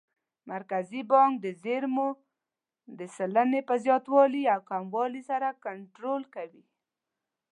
مرکزي بانک د زېرمو د سلنې په زیاتوالي او کموالي سره کنټرول کوي.